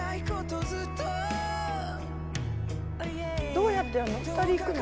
どうやってやるの？